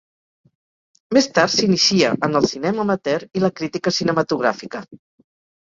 Més tard s'inicia en el cinema amateur i la crítica cinematogràfica.